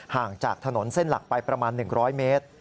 ห่างจากถนนเส้นหลักไปประมาณ๑๐๐เมตร